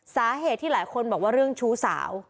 สาเหตุที่หลายคนบอกว่าชู้สาว